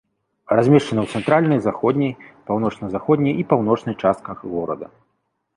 Размешчаны ў цэнтральнай, заходняй, паўночна-заходняй і паўночнай частках горада.